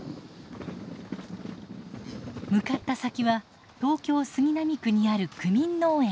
向かった先は東京・杉並区にある区民農園。